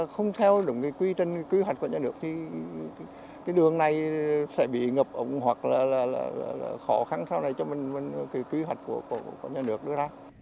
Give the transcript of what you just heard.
không theo đúng cái kế hoạch của nhà nước thì cái đường này sẽ bị ngập ổng hoặc là khó khăn sau này cho mình cái kế hoạch của nhà nước nữa ra